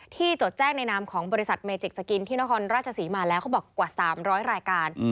จดแจ้งในนามของบริษัทเมจิกสกินที่นครราชศรีมาแล้วเขาบอกกว่า๓๐๐รายการ